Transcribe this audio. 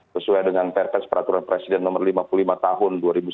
sesuai dengan perkes peraturan presiden nomor lima puluh lima tahun dua ribu sembilan belas